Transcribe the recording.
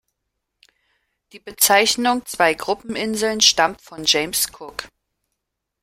Die Bezeichnung „Zwei-Gruppen-Inseln“ stammt von James Cook.